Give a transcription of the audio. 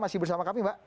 masih bersama kami mbak